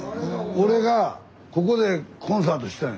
俺がここでコンサートしたんや。